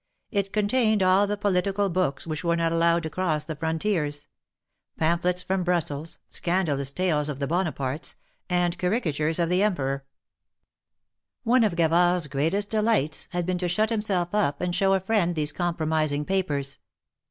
It contained all the political books which were not allowed to cross the frontiers : pamphlets from Brussels; scandalous tales of the Bonapartcs; and caricatures of the Emperor, One of Gavard's greatest delights had been to shut himself up, and show a friend these compromising papers.